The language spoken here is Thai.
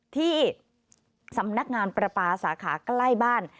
ที่สำนักงานประปาสาขาใกล้บ้าน